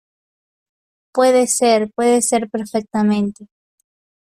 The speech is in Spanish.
puede ser. puede ser perfectamente